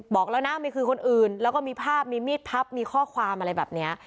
บอกแล้วนะมีคือคนอื่นแล้วก็มีภาพมีมีดพับมีข้อความอะไรแบบนี้